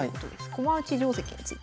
駒落ち定跡について。